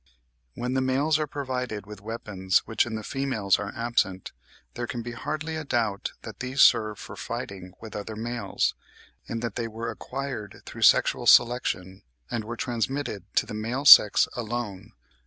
When the males are provided with weapons which in the females are absent, there can be hardly a doubt that these serve for fighting with other males; and that they were acquired through sexual selection, and were transmitted to the male sex alone.